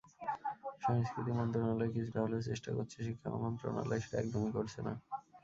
সংস্কৃতি মন্ত্রণালয় কিছুটা হলেও চেষ্টা করছে, শিক্ষা মন্ত্রণালয় সেটা একদমই করছে না।